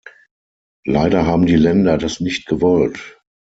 Leider haben die Länder das nicht gewollt.